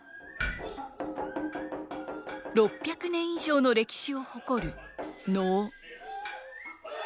６００年以上の歴史を誇る能。